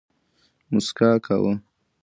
موسکا کوه